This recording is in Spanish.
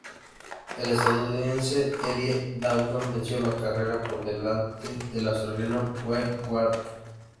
El estadounidense Eddie Lawson venció la carrera por delante del australiano Wayne Gardner.